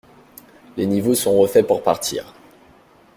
Les niveaux sont refaits pour partir.